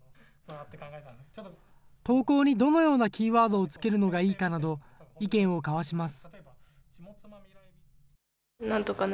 投稿にどのようなキーワードをつけるのがいいかなど、意見を交わします。